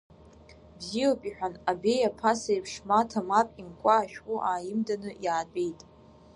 Ибзиоуп, — иҳәан абеиа ԥаса еиԥш Маҭа мап имкуа ашәҟәы ааимданы иаатәеит.